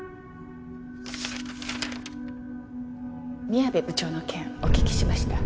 宮部部長の件お聞きしました。